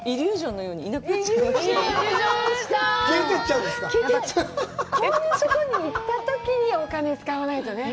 こういうとこに行ったときにお金使わないとね。